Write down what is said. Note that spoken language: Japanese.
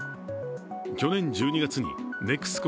去年１２月にＮＥＸＣＯ